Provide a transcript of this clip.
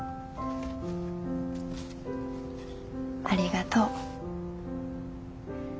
ありがとう。